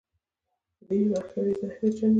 ځینې مرخیړي زهرجن وي